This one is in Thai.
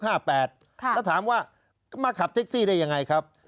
แล้วถามว่ามาขับแท็กซี่ได้ยังไงครับ